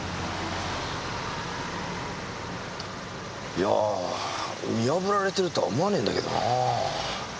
いやぁ見破られてるとは思わねえんだけどなぁ。